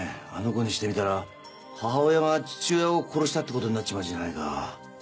あの子にしてみたら母親が父親を殺したってことになっちまうじゃないか。